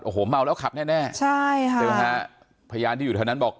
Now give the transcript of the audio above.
โอ้โหม่าวแล้วขับแน่แน่ใช่ค่ะเพยาะภายการที่อยู่ทางนั้นบอก